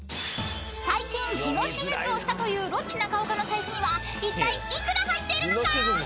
［最近痔の手術をしたというロッチ中岡の財布にはいったい幾ら入っているのか］